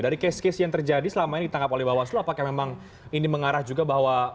dari case case yang terjadi selama ini ditangkap oleh bawaslu apakah memang ini mengarah juga bahwa